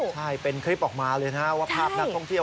ใช่เป็นคลิปออกมาเลยนะว่าภาพนักท่องเที่ยว